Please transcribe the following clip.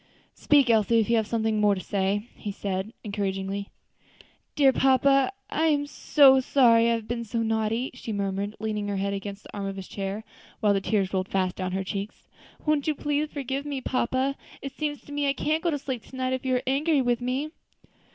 "Speak, Elsie, if you have anything more to say," he said encouragingly. "Dear papa, I am so sorry I have been so naughty," she murmured, leaning her head against the arm of his chair, while the tears rolled fast down her cheeks; "won't you please forgive me, papa? it seems to me I can't go to sleep to night if you are angry with me."